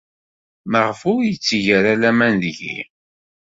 Maɣef ur yetteg ara laman deg-i?